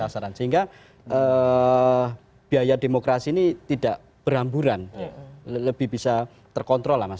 sehingga biaya demokrasi ini tidak beramburan lebih bisa terkontrol